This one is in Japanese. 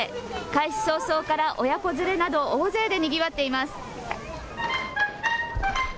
開始早々から親子連れなど大勢でにぎわっています。